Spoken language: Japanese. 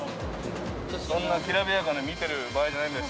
そんなきらびやかなの見てる場合じゃないんです。